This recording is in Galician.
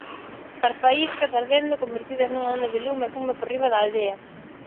As faíscas, ardendo, convertidas nunha onda de lume e fume por riba da aldea.